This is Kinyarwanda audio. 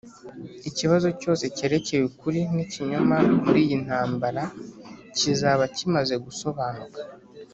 . Ikibazo cyose cyerekeye ukuri n’ikinyoma muri iyi ntambara kizaba kimaze gusobanuka.